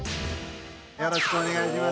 よろしくお願いします。